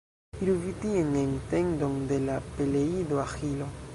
Iru vi tien, en tendon de la Peleido Aĥilo.